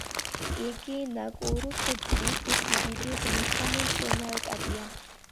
იგი ნაკურუს ტბის სიდიდით მესამე შენაკადია.